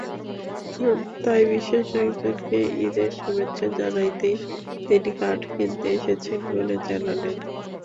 তাই বিশেষ একজনকে ঈদের শুভেচ্ছা জানাতেই তিনি কার্ড কিনতে এসেছেন বলে জানালেন।